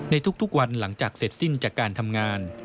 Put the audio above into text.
ในทุกวันหลังจากเสร็จสิ้นจากการทำงาน